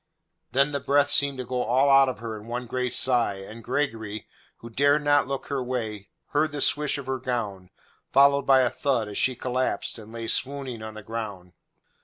Then the breath seemed to go all out of her in one great sigh, and Gregory, who dared not look her way, heard the swish of her gown, followed by a thud as she collapsed and lay swooning on the ground.